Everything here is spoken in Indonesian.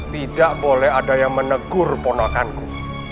tidak boleh ada yang menegur ponokanku